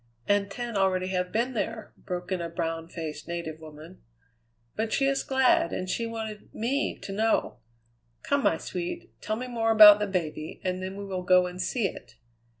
"And ten already have been there," broke in a brown faced native woman. "But she is glad, and she wanted me to know! Come, my sweet, tell me more about the baby, and then we will go and see it."